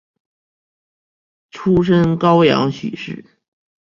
出身高阳许氏。